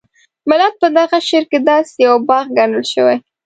ملت په دغه شعر کې داسې یو باغ ګڼل شوی.